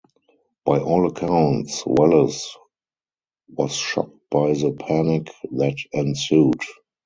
By all accounts, Welles was shocked by the panic that ensued.